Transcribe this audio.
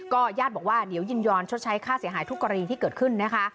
ญาติบอกว่าเดี๋ยวยินยอมชดใช้ค่าเสียหายทุกกรณีที่เกิดขึ้นนะคะ